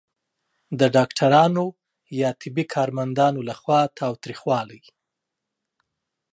د ډاکټرانو یا طبي کارمندانو لخوا تاوتریخوالی